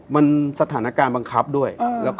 มันสถานการณ์บังคับด้วย